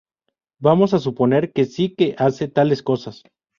Vamos a suponer que sí que hace tales cosas.